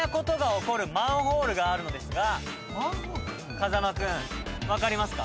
風間君分かりますか？